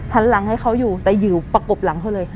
หันหลังให้เขาอยู่แต่อยู่ประกบหลังเขาเลย